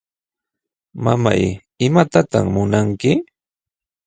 Mamay, ¿imatataq munanki?